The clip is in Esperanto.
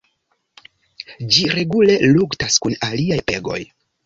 Ĝi regule luktas kun aliaj pegoj.